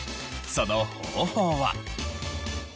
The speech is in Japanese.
その方法は。